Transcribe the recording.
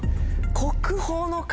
国宝の数。